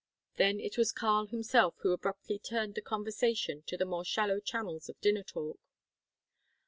Then it was Karl himself who abruptly turned the conversation to the more shallow channels of dinner talk.